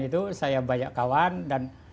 itu saya banyak kawan dan